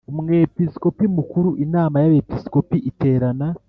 Umwepisikopi Mukuru Inama y Abepiskopi iterana